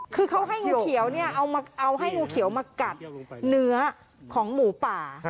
คือเขาให้งูเขียวเนี่ยเอาให้งูเขียวมากัดเนื้อของหมูป่า